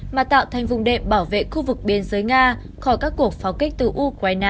mà tạo thành vùng đệm bảo vệ khu vực biên giới nga khỏi các cuộc pháo quân